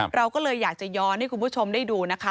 เราก็เลยอยากจะย้อนให้คุณผู้ชมได้ดูนะคะ